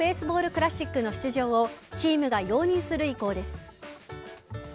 クラシックの出場をチームが容認する意向です。